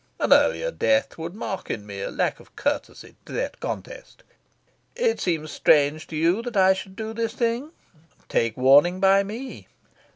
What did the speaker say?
An earlier death would mark in me a lack of courtesy to that contest... It seems strange to you that I should do this thing? Take warning by me.